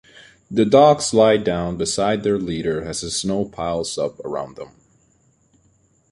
The dogs lie down beside their leader as the snow piles up around them.